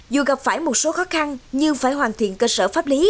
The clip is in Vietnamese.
dù gặp phải một số khó khăn nhưng phải hoàn thiện cơ sở pháp lý